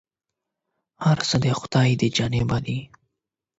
هر څه د خداى له جانبه دي ،